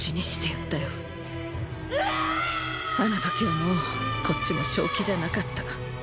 あの時はもうこっちも正気じゃなかった。